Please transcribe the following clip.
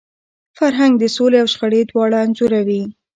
فرهنګ د سولي او شخړي دواړه انځوروي.